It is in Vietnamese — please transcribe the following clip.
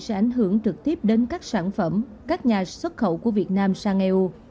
sẽ ảnh hưởng trực tiếp đến các sản phẩm các nhà xuất khẩu của việt nam sang eu